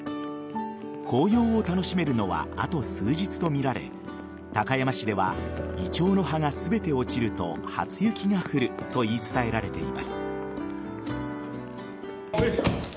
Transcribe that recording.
紅葉を楽しめるのはあと数日とみられ高山市ではイチョウの葉が全て落ちると初雪が降ると言い伝えられています。